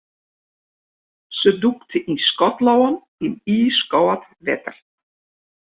Se dûkte yn Skotlân yn iiskâld wetter.